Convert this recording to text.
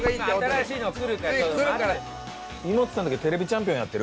井本さんだけ『ＴＶチャンピオン』やってる？